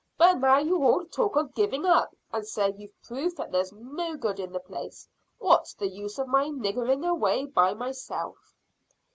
But now you all talk of giving up, and say you've proved that there's no good in the place, what's the use of my niggering away by myself?"